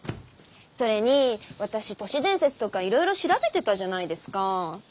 それに私都市伝説とかいろいろ調べてたじゃないですかァー。